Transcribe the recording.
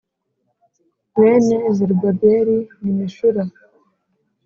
Bene Zerubabeli ni Meshula